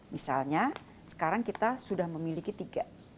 misalnya sekarang kita sudah memiliki tiga